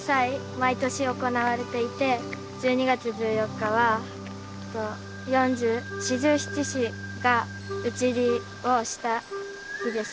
毎年行われていて１２月１４日は四十七士が討ち入りをした日です。